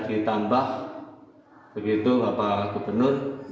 begitu bapak gubernur